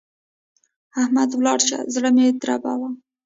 احمده! ولاړ شه؛ زړه مه دربوه.